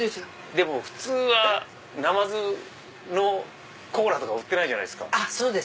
でも普通はなまずのコーラとか売ってないじゃないですか。